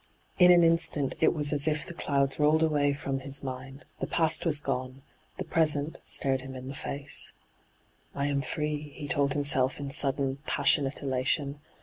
In an instant it was as if the clouds rolled away from his mind, the past was gone, the present stared him in the face, ' I am free,' he told himself in sudden, paa sionate elation.